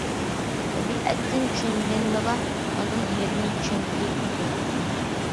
تەبىئەتنى چۈشەنگەندىلا، ئاندىن ھاياتنى چۈشەنگىلى بولىدۇ.